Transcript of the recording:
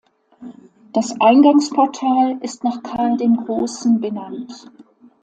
Das Eingangsportal ist nach Karl dem Großen benannt.